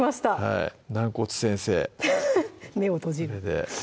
軟骨先生目を閉じる